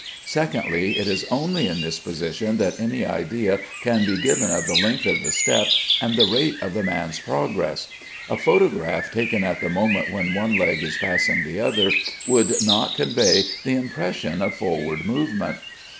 Secondly, it is only in this position that any idea can be given of the length of the step and the rate of the man's progress. A photograph taken at the moment when one leg is passing the other, would not convey the impression of forward movement.